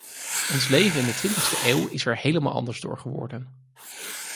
Ons leven in de twintigste eeuw is er helemaal anders door geworden.